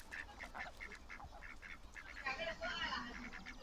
是日本电子游戏软体开发公司。